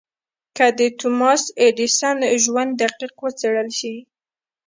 که د توماس ايډېسن ژوند دقيق وڅېړل شي.